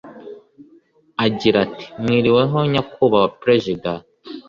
agira ati: mwiriweho nyakubahwa perezida?